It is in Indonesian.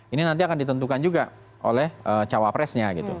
ini nanti akan ditentukan juga oleh cawapresnya gitu